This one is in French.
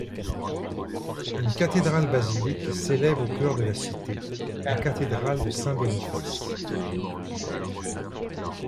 Une cathédrale-basilique s'élève au cœur de la cité, la cathédrale de Saint-Boniface.